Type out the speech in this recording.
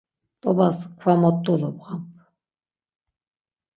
T̆obas kva mot dolobğam.